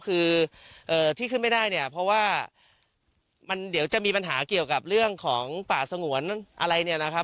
คือที่ขึ้นไม่ได้เนี่ยเพราะว่ามันเดี๋ยวจะมีปัญหาเกี่ยวกับเรื่องของป่าสงวนอะไรเนี่ยนะครับ